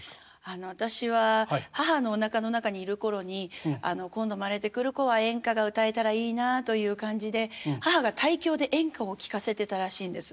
あの私は母のおなかの中にいる頃に今度生まれてくる子は演歌が歌えたらいいなあという感じで母が胎教で演歌を聞かせてたらしいんです。